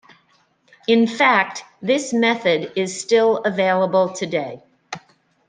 In fact, this method is still available today.